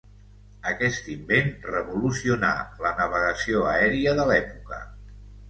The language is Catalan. Aquest invent revolucionà la navegació aèria de l'època.